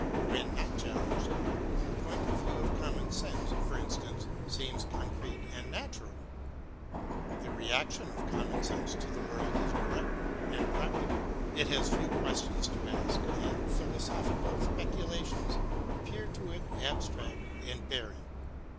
When not challenged, the point of view of common sense, for instance, seems concrete and natural. The reaction of common sense to the world is direct and practical, it has few questions to ask, and philosophic speculations appear to it abstract and barren.